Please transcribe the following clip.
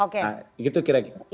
nah gitu kira kira